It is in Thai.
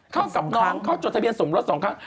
เข้ากับน้องเขาจดทะเบียนสมรสสองครั้ง